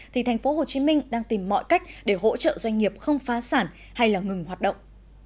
thì thành phố hồ chí minh đang tìm mọi cách để hỗ trợ doanh nghiệp không phá sản hay ngừng hoạt động